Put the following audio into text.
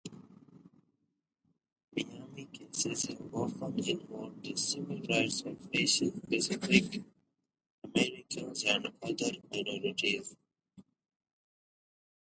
Minami's cases have often involved the civil rights of Asian-Pacific Americans and other minorities.